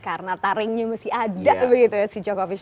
karena taringnya mesti ada begitu ya si djokovic